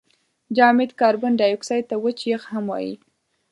جامد کاربن دای اکساید ته وچ یخ هم وايي.